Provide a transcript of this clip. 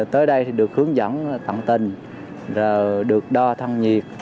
tới đây thì được hướng dẫn tận tình được đo thân nhiệt